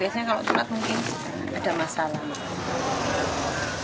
biasanya kalau sholat mungkin ada masalah